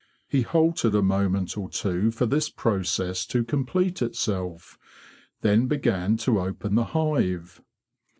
He halted a moinent or two for this process to complete itself, then began to open the hive.